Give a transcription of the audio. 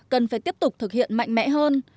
cần phải tiếp tục thực hiện mạnh mẽ hơn